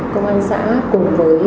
công an xã cùng với